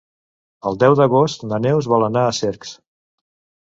El deu d'agost na Neus vol anar a Cercs.